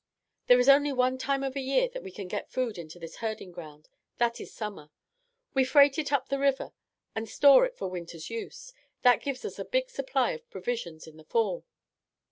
"There is only one time of year that we can get food into this herding ground; that is summer. We freight it up the river and store it for winter's use. That gives us a big supply of provisions in the fall.